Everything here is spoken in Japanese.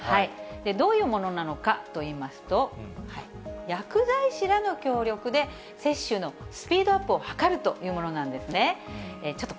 どういうものなのかといいますと、薬剤師らの協力で、接種のスピードアップを図るというものなんですね。